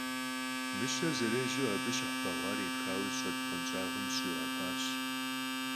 Мыщэр зэрежьэу, абы щыхь бэгъуар епхауэ зыщӀэт бгъуэнщӀагъым зыщӀигъэхуащ.